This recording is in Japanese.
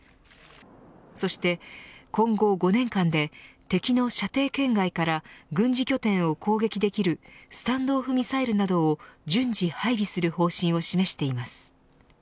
そして、今後５年間で敵の射程圏外から軍事拠点を攻撃できるスタンド・オフ・ミサイルなどを順次配備する方針を示しています。